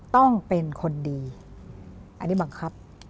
ต้องเป็นคนดีอันนี้บังคับ